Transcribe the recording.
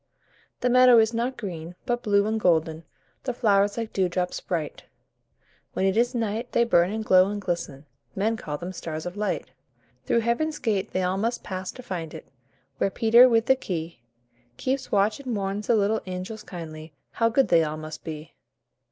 The meadow is not green, but blue and golden The flowers like dewdrops bright; When it is night, they burn and glow and glisten Men call them stars of light. Through Heaven's gate they all must pass to find it, Where Peter with the key Keeps watch and warns the little angels kindly How good they all must be.